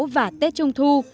và tết trung thu